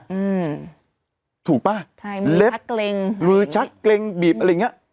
อืมถูกป่ะใช่เล็บหรือชักเกร็งบีบอะไรอย่างเงี้ย